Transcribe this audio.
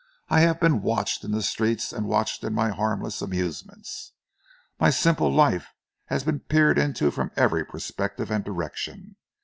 I have been watched in the streets and watched in my harmless amusements. My simple life has been peered into from every perspective and direction.